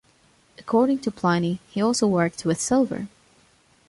According to Pliny, he also worked with silver.